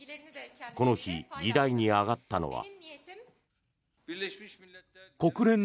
この日、議題に挙がったのは。